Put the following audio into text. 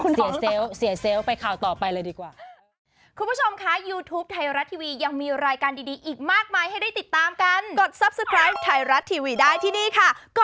เนี่ยคุณท้องคุณท้องต้องต้องเสียเซลล์